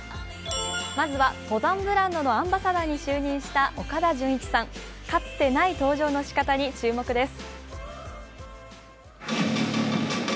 まずは登山ブランドのアンバサダーに就任した岡田准一さん、かつてない登場の仕方に注目です。